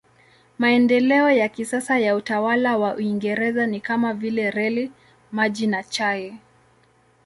Maendeleo ya kisasa ya utawala wa Uingereza ni kama vile reli, maji na chai.